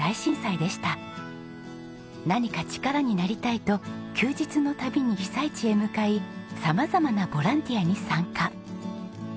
何か力になりたいと休日の度に被災地へ向かい様々なボランティアに参加。